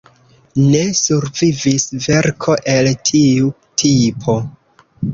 Ne survivis verko el tiu tipo.